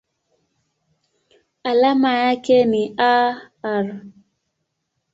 Alama yake ni Ar.